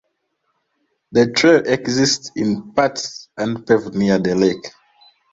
The trail exists in parts unpaved near the lake.